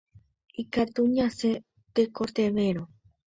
Ikatu ñasẽ tekotevẽrõ.